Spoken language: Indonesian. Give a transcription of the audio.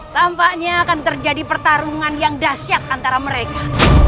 tampaknya akan terjadi pertarungan yang dasyat antara mereka